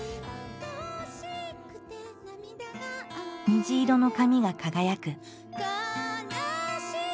虹色の髪が輝く。